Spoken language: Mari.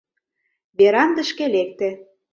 Верандышке лекте.